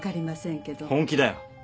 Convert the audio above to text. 本気だよ。